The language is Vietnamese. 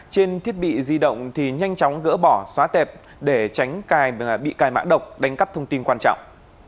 trên thiết bị di động thì nhanh chóng gỡ bỏ xóa tệp để tránh cài bị cài mã độc đánh cắp thông tin quan trọng